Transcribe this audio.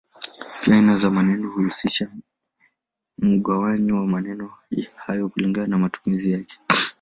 Pia aina za maneno huhusisha mgawanyo wa maneno hayo kulingana na matumizi yake.